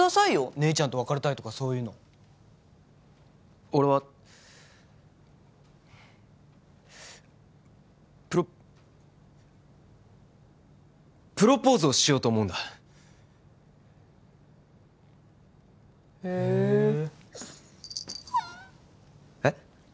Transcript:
姉ちゃんと別れたいとかそういうの俺はプロプロポーズをしようと思うんだへえっ？